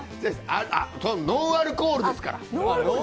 ノンアルコールですから！